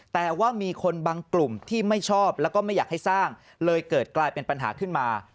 แต่ว่ามีคนบางกลุ่มที่ไม่ชอบแล้วก็ไม่อยากให้สร้างเลยเกิดกลายเป็นปัญหาขึ้นมา